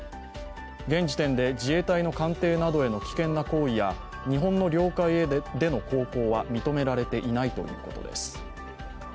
現時点で自衛隊の艦艇などへの危険な行為や日本の領海での航行は認められていないということです。